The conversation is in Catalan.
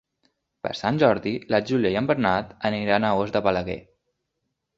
Per Sant Jordi na Júlia i en Bernat aniran a Os de Balaguer.